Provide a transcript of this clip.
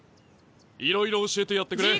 いろいろ教えてやってくれ。